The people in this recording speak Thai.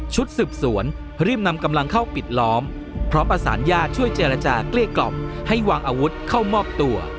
ชุดสืบสวนรีบนำกำลังเข้าปิดล้อมพร้อมประสานญาติช่วยเจรจาเกลี้ยกล่อมให้วางอาวุธเข้ามอบตัว